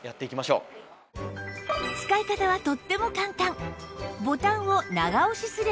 使い方はとっても簡単